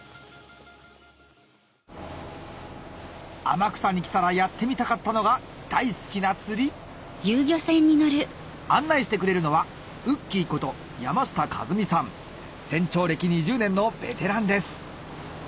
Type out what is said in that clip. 天草に来たらやってみたかったのが大好きな釣り案内してくれるのは船長歴２０年のベテランです